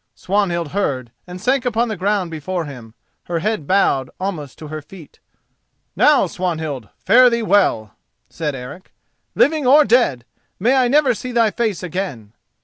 Swanhild heard and sank upon the ground before him, her head bowed almost to her feet. "Now, Swanhild, fare thee well," said Eric. "Living or dead, may I never see thy face again!"